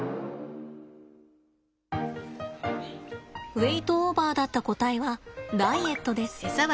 ウエイトオーバーだった個体はダイエットです。